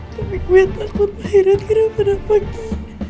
tapi gue takut pangeran kira kira pagi